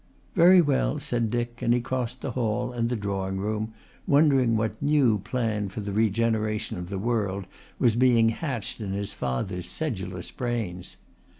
"Very well," said Dick, and he crossed the hall and the drawing room, wondering what new plan for the regeneration of the world was being hatched in his father's sedulous brains.